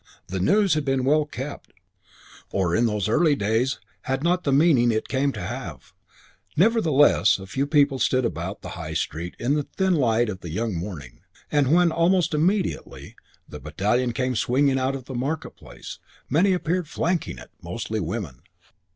The news had been well kept, or in those early days had not the meaning it came to have. Nevertheless a few people stood about the High Street in the thin light of the young morning, and when, almost immediately, the battalion came swinging out of the Market Place, many appeared flanking it, mostly women.